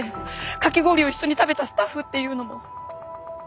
かき氷を一緒に食べたスタッフっていうのも。